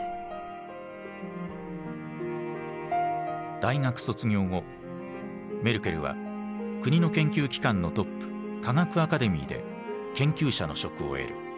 大学卒業後メルケルは国の研究機関のトップ科学アカデミーで研究者の職を得る。